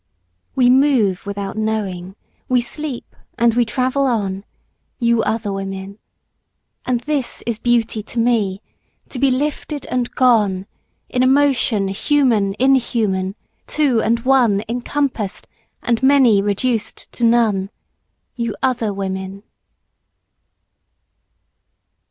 We move without knowing, we sleep, and we travel on, You other women. And this is beauty to me, to be lifted and gone In a motion human inhuman, two and one Encompassed, and many reduced to none, You other women.